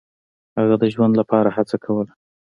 هغه د ژوند لپاره هڅه کوله.